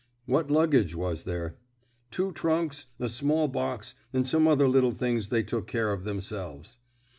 "What luggage was there?" "Two trunks, a small box, and some other little things they took care of themselves."